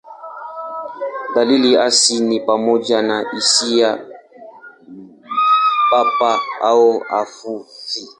Dalili hasi ni pamoja na hisia bapa au hafifu.